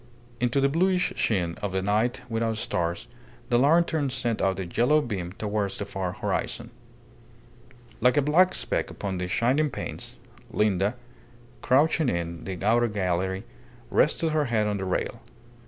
Into the bluish sheen of a night without stars the lantern sent out a yellow beam towards the far horizon. Like a black speck upon the shining panes, Linda, crouching in the outer gallery, rested her head on the rail.